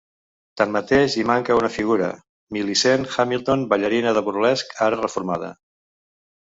Tanmateix, hi manca una figura: Millicent Hamilton, ballarina de burlesc, ara reformada.